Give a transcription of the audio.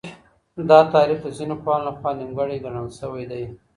دا تعريف د ځينو پوهانو لخوا نيمګړی ګڼل سوی دی.